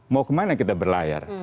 mau kemana kita berlayar